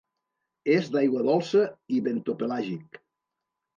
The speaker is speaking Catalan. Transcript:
És d'aigua dolça i bentopelàgic.